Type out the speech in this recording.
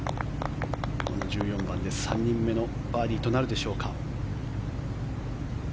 １４番で３人目のバーディーとなるでしょうか。